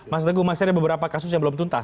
mas teguh masih ada beberapa kasus yang belum tuntas